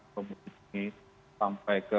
pemudik ini sampai ke